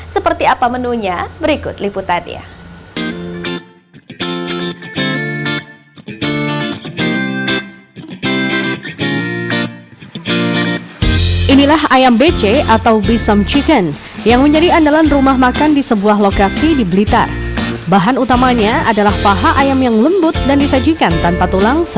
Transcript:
seperti apa menunya berikut liputan ya